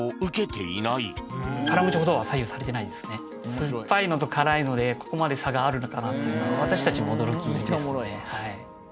酸っぱいのと辛いのでここまで差があるのかなというのは私たちも驚きですねはい。